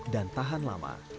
dan tahan lama